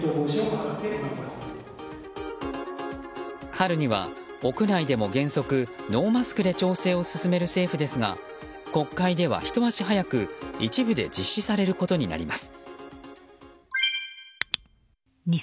春には屋内でも原則ノーマスクで調整を進める政府ですが国会ではひと足早く一部で実施されることになります。